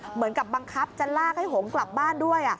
เหมือนกับบังคับจะลากให้หงกลับบ้านด้วย